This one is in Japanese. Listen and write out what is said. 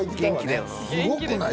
すごくない？